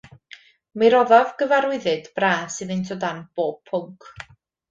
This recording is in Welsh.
Mi roddaf gyfarwyddyd bras iddynt o dan bob pwnc.